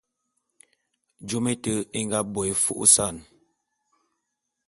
Jôm éte é nga bo é fô'ôsan.